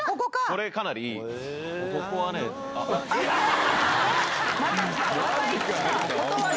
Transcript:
これ、かなりいい。